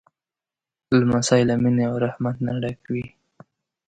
لمسی له مینې او رحمت نه ډک وي.